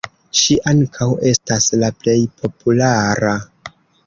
Ŝi ankaŭ estas la plej populara.